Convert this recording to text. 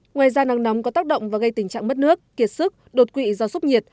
ngoài ra nắng nóng có tác động và gây tình trạng mất nước kiệt sức đột quỵ do sốc nhiệt